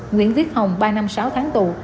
nguyễn viết hồng ba năm sáu tháng tù